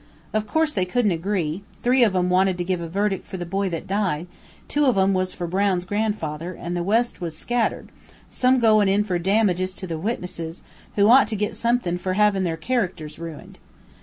Of course they couldn't agree; three of 'em wanted to give a verdict for the boy that died, two of 'em was for Brown's grandfather, an' the rest was scattered, some goin' in for damages to the witnesses, who ought to get somethin' for havin' their char ac ters ruined.